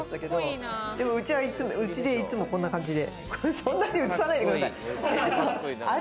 家でいつもこんな感じで。